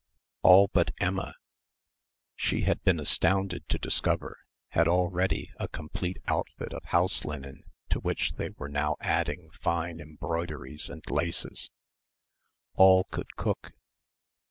All but Emma, she had been astounded to discover, had already a complete outfit of house linen to which they were now adding fine embroideries and laces. All could cook.